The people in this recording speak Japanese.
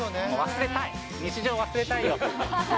忘れたい、日常を忘れたいよ。